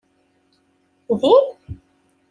Din?